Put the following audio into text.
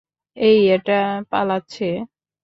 এই এটা পালাচ্ছে!